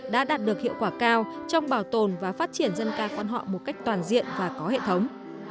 đã đạt được hiệu quả cao trong bảo tồn và phát triển dân ca quan họ một cách toàn diện và có hệ thống